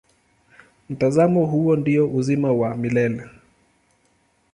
Mtazamo huo ndio uzima wa milele.